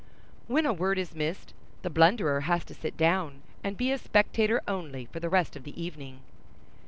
When a word is missed, the blunderer has to sit down, and be a spectator only for the rest of the evening.